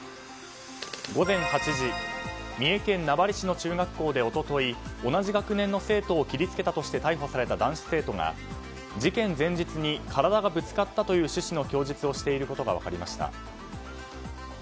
午前８時三重県名張市の中学校で一昨日、同じ学年の生徒を切り付けたとして逮捕された男子生徒が事件前日に体がぶつかったという趣旨の供述をしていることが分かりました。